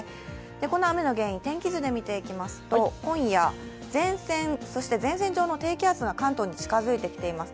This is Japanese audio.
この雨の原因、天気図で見ていきますと、今夜、前線、前線上の低気圧が関東に近づいてきています。